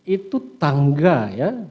itu tangga ya